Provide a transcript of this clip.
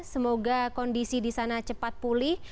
semoga kondisi di sana cepat pulih